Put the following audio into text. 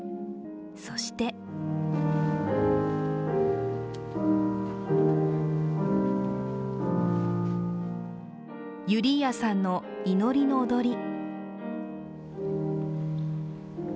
そしてユリーアさんの祈りの踊り。